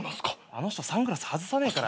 あの人サングラス外さねえから。